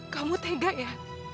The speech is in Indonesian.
kamu tegak ya